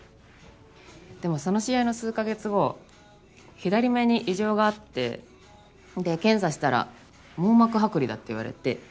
でもその試合の数か月後左目に異常があってで検査したら網膜剥離だって言われて。